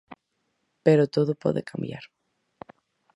Pero todo pode cambiar.